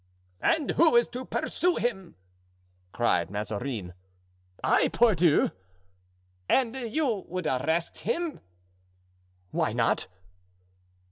"And who is to pursue him?" cried Mazarin. "I, pardieu!" "And you would arrest him?" "Why not?"